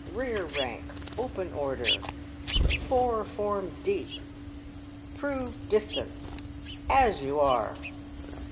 " Rear rank, open order 1" " Form four deep 1" " Prove distance !" "As you are